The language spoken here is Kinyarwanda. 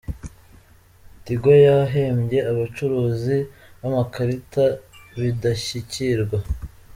Tigo yahembye abacuruzi b’amakarita b’indashyikirwa